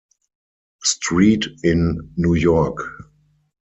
Street in New York.